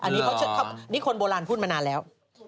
คุณโบราณพูดมานานแล้ว